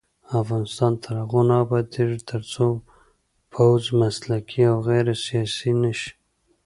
افغانستان تر هغو نه ابادیږي، ترڅو پوځ مسلکي او غیر سیاسي نشي.